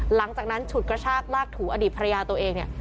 หลังจากนั้นฉุดกระชากลากถูอดีตภรรยาตัวเอง